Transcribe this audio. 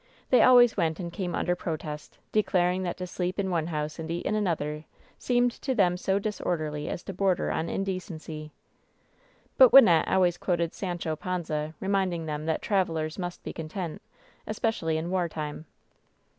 They always went and came under pro test, declaring that to sleep in one house and eat in an other seemed to them so disorderly as to border on in decency. But Wynnette always quoted Sancho Panza, remind ing them that "Travelers must be content," especially in war time.